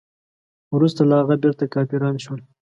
وروسته له هغه بیرته کافران شول.